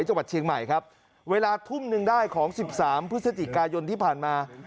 จังหวัดเชียงใหม่ครับเวลาทุ่มหนึ่งได้ของ๑๓พฤศจิกายนที่ผ่านมา